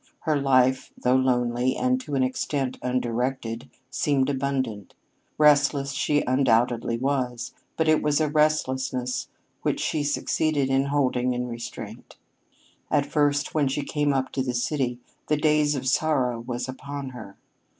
Her life, though lonely, and to an extent undirected, seemed abundant. Restless she undoubtedly was, but it was a restlessness which she succeeded in holding in restraint. At first when she came up to the city the daze of sorrow was upon her.